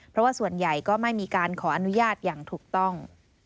เพราะว่าส่วนใหญ่ก็ไม่มีการขออนุญาตอย่างถูกต้อง